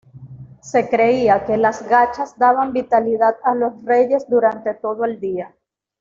Se creía que las gachas daban vitalidad a los reyes durante todo el día.